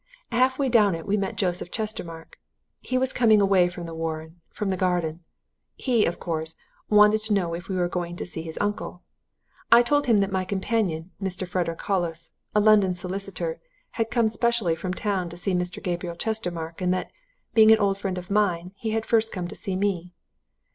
Half way down it we met Joseph Chestermarke. He was coming away from the Warren from the garden. He, of course, wanted to know if we were going to see his uncle. I told him that my companion, Mr. Frederick Hollis, a London solicitor, had come specially from town to see Mr. Gabriel Chestermarke, and that, being an old friend of mine, he had first come to see me.